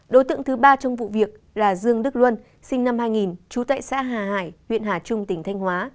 đối tượng thứ ba trong vụ việc là dương đức luân sinh năm hai nghìn trú tại xã hà hải huyện hà trung tỉnh thanh hóa